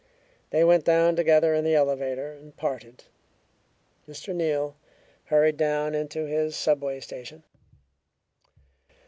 They went down together in the elevator, and parted. Mr. Neal hurried down into his subway station.